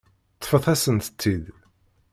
Ṭṭfet-asent-tt-id.